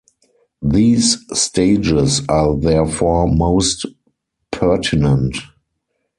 These stages are therefore most pertinent.